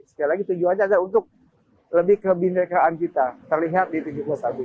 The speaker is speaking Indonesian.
sekali lagi tujuannya adalah untuk lebih kebendekaan kita terlihat di tujuh belas agustus ini